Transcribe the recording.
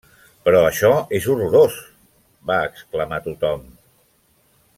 -Però això és horrorós!- va exclamar tothom.